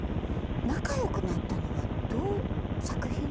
仲良くなったのは作品ですか？